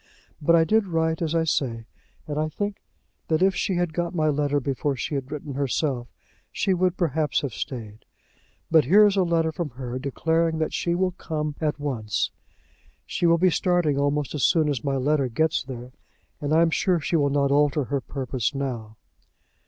But I did write as I say, and I think that if she had got my letter before she had written herself, she would perhaps have stayed. But here is a letter from her, declaring that she will come at once. She will be starting almost as soon as my letter gets there, and I am sure she will not alter her purpose now."